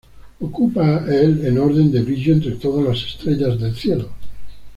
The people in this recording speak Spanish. Ocupa el en orden de brillo entre todas las estrellas del cielo.